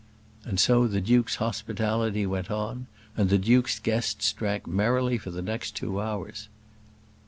And so the duke's hospitality went on, and the duke's guests drank merrily for the next two hours.